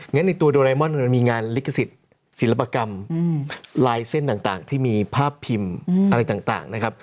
ในตัวโดเรมอนมันมีงานลิขสิทธิ์ศิลปกรรมลายเส้นต่างที่มีภาพพิมพ์อะไรต่างนะครับ